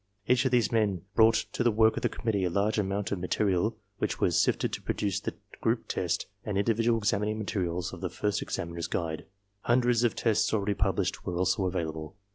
Each of these men brought to the work of the committee a large amount of ma terial which was sifted to produce the group test and individual examining materials of the first "Examiner's Guide." Hun dreds of tests already published were also available.